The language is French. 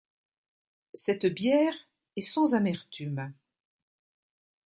Cette bière est sans amertume.